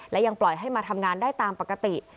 และยังปล่อยให้มาทำงานได้ตามปกติ